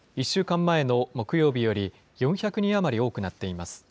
１週間前の木曜日より４００人余り多くなっています。